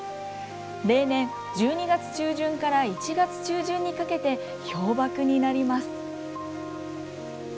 例年、１２月中旬から１月中旬にかけて氷瀑になります。